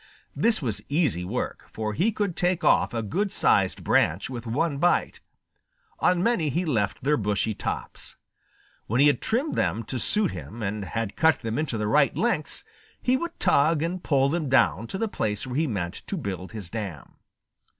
This was easy work, for he could take off a good sized branch with one bite. On many he left their bushy tops. When he had trimmed them to suit him and had cut them into the right lengths, he would tug and pull them down to the place where he meant to build his dam.